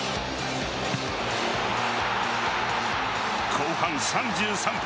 後半３３分。